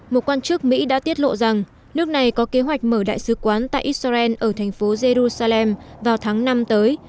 một quan chức mỹ đã tiết lộ rằng nước này có kế hoạch mở đại sứ quán tại israel ở thành phố jerusalem vào tháng năm tới